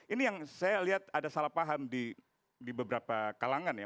ini yang saya lihat ada salah paham di beberapa kalangan ya